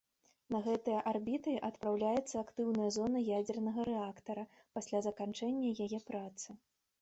На гэтыя арбіты адпраўляецца актыўная зона ядзернага рэактара пасля заканчэння яе працы.